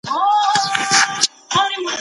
ولي د خبرونو ډېر تعقیب ذهن ته اندېښنې راوړي؟